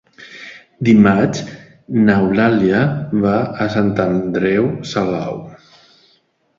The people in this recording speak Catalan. Dimarts n'Eulàlia va a Sant Andreu Salou.